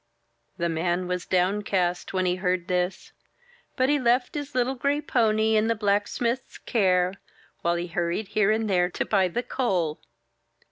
'* The man was downcast when he heard this; but he left his little gray pony in the blacksmith's care, while he hurried here and there to buy the coal.